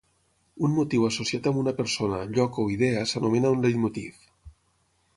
Un motiu associat amb una persona, lloc, o idea s'anomena un leitmotiv.